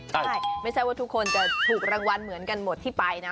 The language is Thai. ใช่ไม่ใช่ว่าทุกคนจะถูกรางวัลเหมือนกันหมดที่ไปนะ